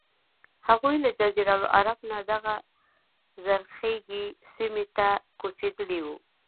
هغوی له جزیرة العرب نه دغې زرخیزې سیمې ته کوچېدلي وو.